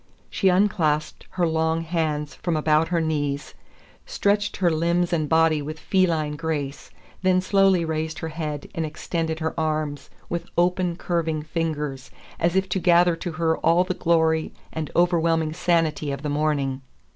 She unclasped her long hands from about her knees, stretched her limbs and body with feline grace, then slowly raised her head and extended her arms with open, curving fingers, as if to gather to her all the glory and overwhelming sanity of the morning.